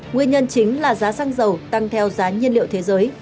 nguyên nhân chính là giá xăng dầu tăng theo giá nhiên liệu thế giới